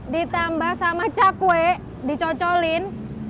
ditambah sama cakwe dicocolin